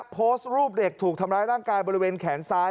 โพสต์รูปเด็กถูกทำร้ายร่างกายบริเวณแขนซ้าย